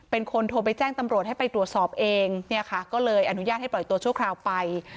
เป็นคนโทรไปแจ้งตำรวจให้ไปตรวจสอบเองเนี่ยค่ะก็เลยอนุญาตให้ปล่อยตัวชั่วคราวไป